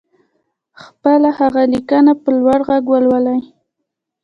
خپله هغه ليکنه په لوړ غږ ولولئ.